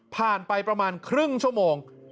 ผ่านไปประมาณครึ่งชั่วโมง